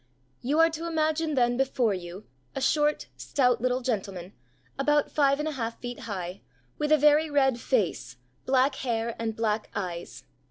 ] "You are to imagine then, before you, a short, stout little gentleman, about five and a half feet high, with a very red face, black hair and black eyes.